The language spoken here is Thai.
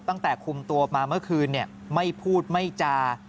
ตั้งแต่คุมตัวมาเมื่อคืนไม่พูดไม่จา